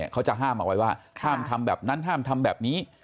เขาจะห้ามเอาไว้ว่าห้ามทำแบบนั้นห้ามทำแบบนี้